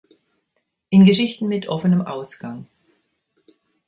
In Geschichten mit offenem Ausgang.